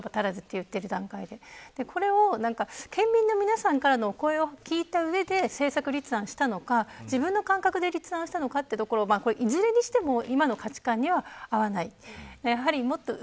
これを県民の皆さんからのお声を聞いた上で政策立案したのか自分の感覚で立案したのかというところはいずれにしても今の価値観には合いません。